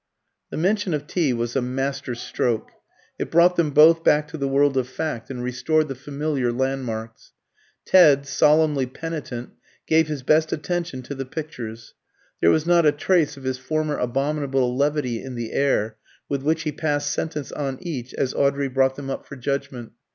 The mention of tea was a master stroke; it brought them both back to the world of fact, and restored the familiar landmarks. Ted, solemnly penitent, gave his best attention to the pictures: there was not a trace of his former abominable levity in the air with which he passed sentence on each as Audrey brought them up for judgment.